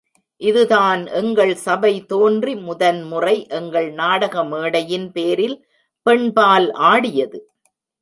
இதுதான் எங்கள் சபை தோன்றி முதன் முறை எங்கள் நாடக மேடையின் பேரில் பெண்பால் ஆடியது.